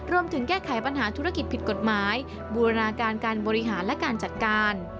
รวมถึงแก้ไขปัญหาธุรกิจผิดกฎหมายบูรณาการการบริหารและการจัดการ